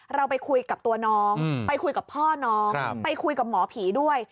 เราไปคุยกับตัวน้องไปคุยกับพ่อน้องไปคุยกับหมอผีด้วย